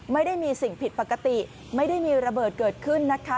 ไม่ได้มีสิ่งผิดปกติไม่ได้มีระเบิดเกิดขึ้นนะคะ